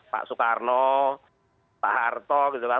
pak soekarno pak harto gitu kan